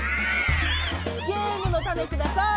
ゲームのタネください。